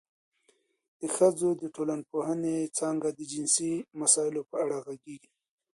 د ښځو د ټولنپوهنې څانګه د جنسیتي مسایلو په اړه غږېږي.